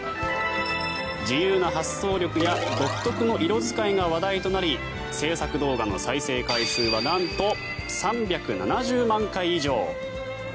自由な発想力や独特の色使いが話題となり制作動画の再生回数はなんと、３７０万回以上。